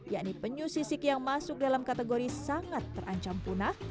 yakni penyu sisik yang masuk dalam kategori sangat terancam punah